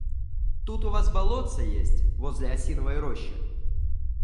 Тут у вас болотце есть, возле осиновой рощи.